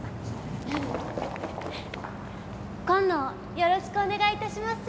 紺野をよろしくお願いいたします。